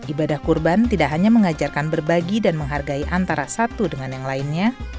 ibadah kurban tidak hanya mengajarkan berbagi dan menghargai antara satu dengan yang lainnya